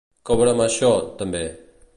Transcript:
Cobra'm això, també.